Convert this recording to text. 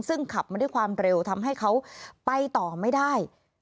ซึ่งขับมาด้วยความเร็วทำให้เขาไปต่อไม่ได้